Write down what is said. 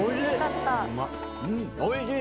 おいしい。